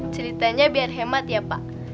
ceritanya biar hemat ya pak